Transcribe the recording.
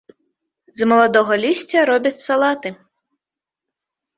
З маладога лісця робяць салаты.